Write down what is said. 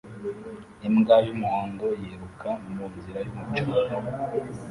Imbwa y'umuhondo yiruka mu nzira y'umucanga